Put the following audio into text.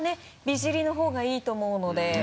美尻の方がいいと思うので。